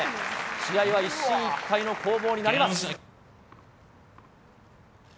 試合は一進一退の攻防になります。